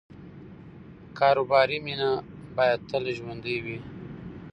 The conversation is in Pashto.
کاروباري مینه باید تل ژوندۍ وي.